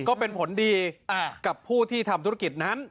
ก็เป็นผลดีกับผู้ที่ทำธุรกิจนั้น